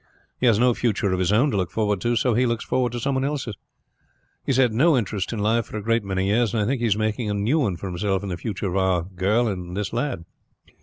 He has no future of his own to look forward to, so he looks forward to some one else's. He has had no interest in life for a great many years, and I think he is making a new one for himself in the future of our girl and this lad.